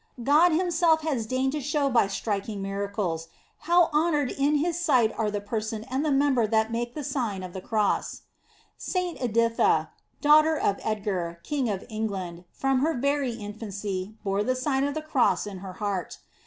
God Himself has deigned to show by strik ing miracles, how honored in His sight are the person and the member that make the Sign of the Cross, Saint Editha, daughter of Edgar, King of England, from her very infancy, bore the Sign of the Cross in her heart.